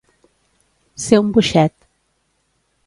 Ser un boixet.